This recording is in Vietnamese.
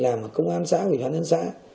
làm ở công an xã vị đoàn xã